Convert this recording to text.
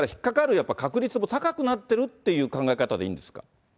やっぱり確率も高くなってるっていう考え方でいいんですか。